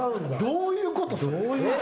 どういうこと？